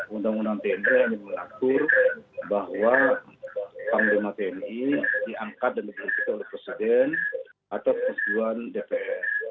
undang undang tni yang menakur bahwa panggung tni diangkat dan diperintahkan oleh presiden atas keseluruhan dpr